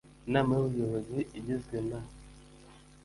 Inama y ubuyobozi igizwe na